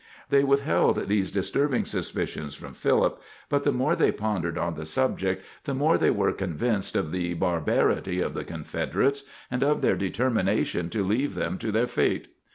They withheld these disturbing suspicions from Philip, but the more they pondered on the subject the more they were convinced of the barbarity of the Confederates, and of their determination to leave them to their fate.